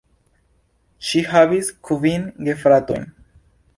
Ŝi havis kvin gefratojn.